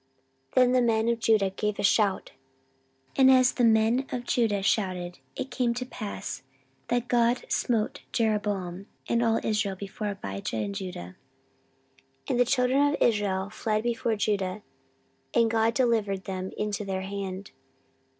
14:013:015 Then the men of Judah gave a shout: and as the men of Judah shouted, it came to pass, that God smote Jeroboam and all Israel before Abijah and Judah. 14:013:016 And the children of Israel fled before Judah: and God delivered them into their hand.